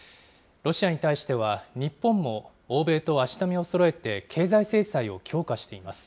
ロシアに対しては日本も欧米と足並みをそろえて、経済制裁を強化しています。